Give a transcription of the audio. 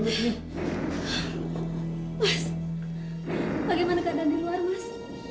mas bagaimana keadaan di luar mas